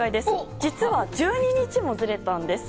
実は１２日もずれたんです。